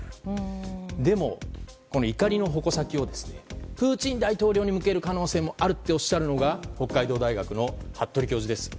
でも、怒りの矛先をプーチン大統領に向ける可能性もあるっておっしゃるのが北海道大学の服部教授です。